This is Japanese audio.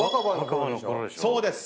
そうです！